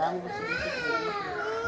jadi tergambus sedikit sedikit